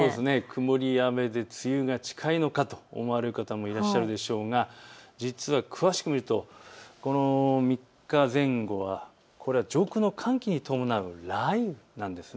曇りや雨で梅雨が近いのかと思われる方もいらっしゃるでしょうが詳しく見ると３日前後は上空の寒気に伴う雷雨なんです。